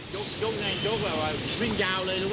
ยกยังไงยกแบบว่าวิ่งยาวเลยหรือว่า